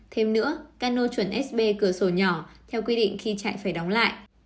thêm nữa cano chuẩn sb cửa sổ nhỏ theo quy định khi chạy phải đóng lại